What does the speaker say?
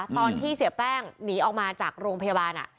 ตอนที่เสียแป้งหนีออกมาจากโรงพยาบาล